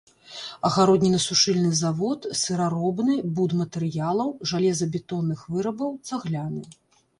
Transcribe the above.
Агароднінасушыльны завод, сыраробны, будматэрыялаў, жалезабетонных вырабаў, цагляны.